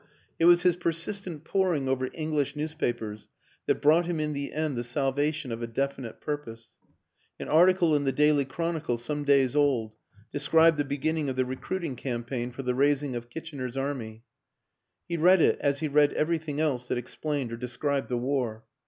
It was his persistent poring over English news papers that brought him in the end the salvation of a definite purpose. An article in The Daily Chronicle some days old described the be ginning of the recruiting campaign for the raising of Kitchener's Army; he read it as he read every thing else that explained or described the war.